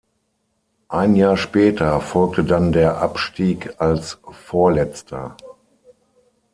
Ein Jahr später folgte dann der Abstieg als Vorletzter.